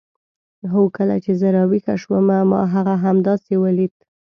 هو کله چې زه راویښه شوم ما هغه همداسې ولید.